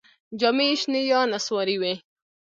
جامې یې شنې یا نسواري وې.